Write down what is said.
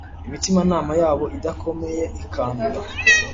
imitimanama yabo idakomeye ikandura